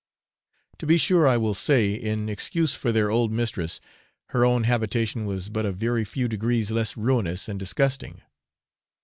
To be sure, I will say, in excuse for their old mistress, her own habitation was but a very few degrees less ruinous and disgusting.